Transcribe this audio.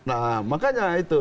nah makanya itu